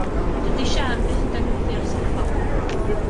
Dydi Siân byth yn defnyddio'r soffa.